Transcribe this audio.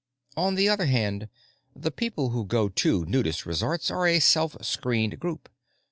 On the other hand, the people who go to nudist resorts are a self screened group.